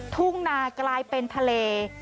ทุ่งนากลายเป็นทะเล